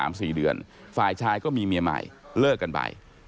ฝ่ายของสามีและผู้งานขี่พ่ายชายก็มีเมียใหม่เลิกกันไป